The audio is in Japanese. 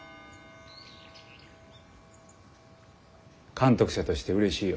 監督者としてうれしいよ。